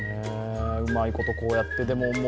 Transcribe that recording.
うまいことこうやって。